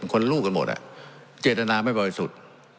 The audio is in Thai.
คนลูกกันหมดอ่ะเจตนาไม่บ่อยสุด